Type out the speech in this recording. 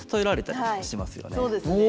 はいそうですね。